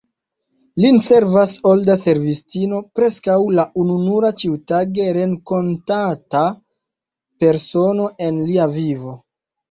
Lin servas “olda servistino, preskaŭ la ununura ĉiutage renkontata persono en lia vivo.